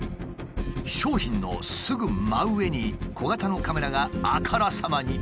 商品のすぐ真上に小型のカメラがあからさまに置いてある。